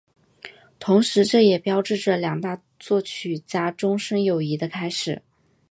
同时这也标志着两位大作曲家终身友谊的开始。